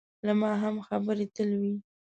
له ما هم خبرې تل وي.